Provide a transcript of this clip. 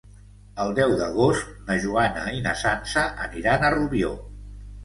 El deu d'agost na Joana i na Sança aniran a Rubió.